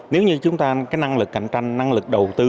nếu như chúng ta cái năng lực cạnh tranh năng lực đầu tư